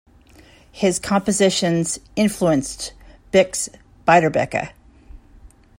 His compositions influenced Bix Beiderbecke.